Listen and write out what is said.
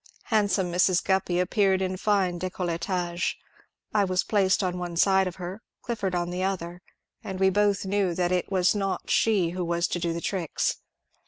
Handsome Mrs. Ghippy appeared in fine d^colletage ; I was placed on one side of her, Clifford on the other ; and we both knew that it was not she who was to do the tricks.